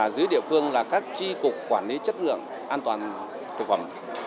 dưới địa phương là các tri cục quản lý chất lượng an toàn thực phẩm